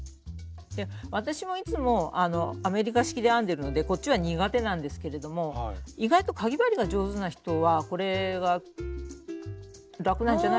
私もいつもアメリカ式で編んでるのでこっちは苦手なんですけれども意外とかぎ針が上手な人はこれが楽なんじゃないかなぁと思ったりします。